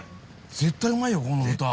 絶対うまいよこの豚。